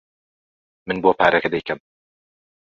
من بۆ پارەکە دەیکەم.